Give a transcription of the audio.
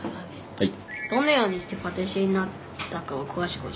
はい。